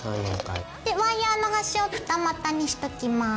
ワイヤーの端を二股にしときます。